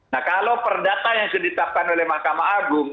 nah kalau perdata yang sudah ditetapkan oleh mahkamah agung